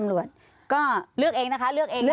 เลือกเองนะคะ